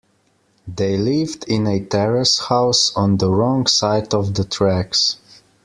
They lived in a terrace house, on the wrong side of the tracks